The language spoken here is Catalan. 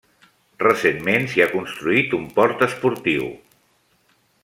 Recentment, s'hi ha construït un port esportiu.